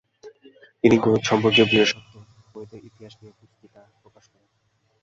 তিনি গণিত সম্পর্কীয় বিশেষতঃ গণিতের ইতিহাস নিয়ে পুস্তিকা প্রকাশ করেন।